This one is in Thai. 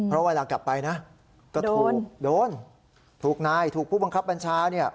เพราะเวลากลับไปนะก็ถูกโดนถูกนายถูกผู้บังคับบัญชาเนี่ย